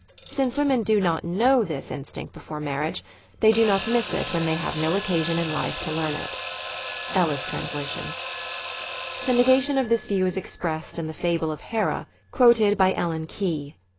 Since women do not know this i The Fundamental Pulse ^7 instinct before marriage, they do not miss it when they have no occasion in life to learn it." (Ellis transl.) The negation of this view is expressed in the fable of Hera quoted by Ellen Key.